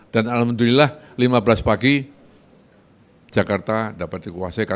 dan alhamdulillah lima belas pagi jakarta dapat dikuasai